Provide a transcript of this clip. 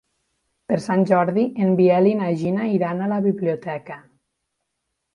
Per Sant Jordi en Biel i na Gina iran a la biblioteca.